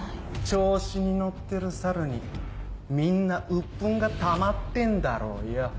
調子に乗ってる猿にみんな鬱憤がたまってんだろうよ。